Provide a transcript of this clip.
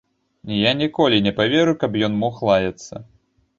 Я ніколі не паверу, каб ён мог лаяцца.